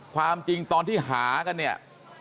ความจริงตอนที่หากันเนี่ย